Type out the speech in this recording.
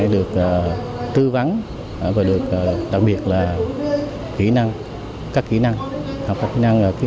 được tư vấn và được đặc biệt là kỹ năng cách kỹ năng